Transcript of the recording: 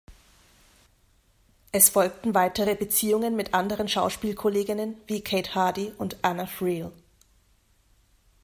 Es folgten weitere Beziehungen mit anderen Schauspielkolleginnen wie Kate Hardie und Anna Friel.